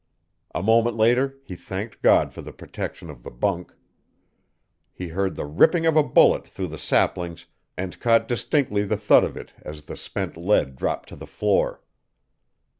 A moment later he thanked God for the protection of the bunk. He heard the ripping of a bullet through the saplings and caught distinctly the thud of it as the spent lead dropped to the floor.